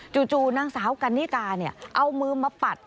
จู๊จูนนางสาวกานิกาเอามือมาปัด